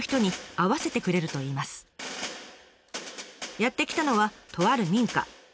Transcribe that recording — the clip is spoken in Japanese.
やって来たのはとある民家。